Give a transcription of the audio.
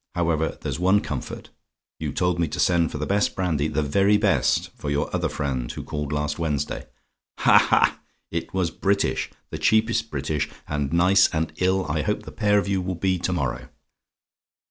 However, there's one comfort: you told me to send for the best brandy the very best for your other friend, who called last Wednesday. Ha! ha! It was British the cheapest British and nice and ill I hope the pair of you will be to morrow.